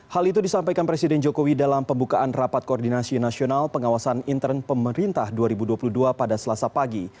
hal itu disampaikan presiden jokowi dalam pembukaan rapat koordinasi nasional pengawasan intern pemerintah dua ribu dua puluh dua pada selasa pagi